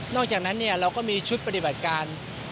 อกจากนั้นเราก็มีชุดปฏิบัติการ